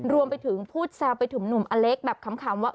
รวมไปถึงพูดแซวไปถึงหนุ่มอเล็กแบบคำว่า